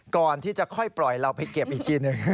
ก่อนที่จะค่อยปล่อยเราไปเก็บอีกทีหนึ่ง